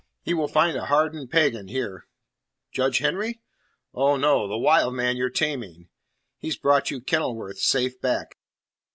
"He will find a hardened pagan here." "Judge Henry?" "Oh, no! The wild man you're taming. He's brought you Kenilworth safe back."